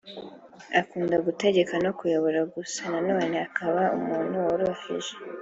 akunda gutegeka no kuyobora gusa nanone akaba umuntu woroheje